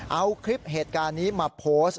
เอาคลิปเหตุการณ์นี้มาโพสต์